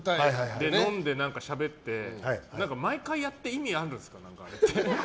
飲んで、しゃべって毎回やって意味あるんですか。